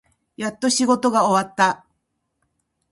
やっと仕事が終わった。